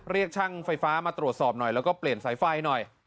เรียกช่างไฟฟ้ามาตรวจสอบหน่อยแล้วก็เปลี่ยนสายไฟหน่อย